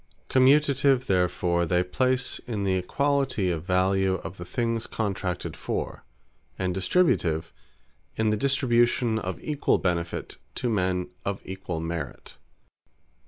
Commutative therefore, they place in the equality of value of the things contracted for; And Distributive, in the distribution of equall benefit, to men of equall merit.